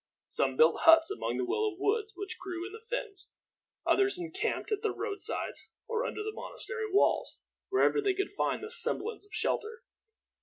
Some built huts among the willow woods which grew in the fens; others encamped at the road sides, or under the monastery walls, wherever they could find the semblance of shelter.